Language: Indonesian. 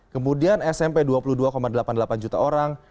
kemudian smp dua puluh dua delapan puluh delapan juta orang